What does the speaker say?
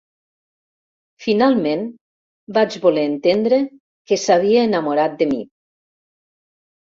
Finalment, vaig voler entendre que s'havia enamorat de mi.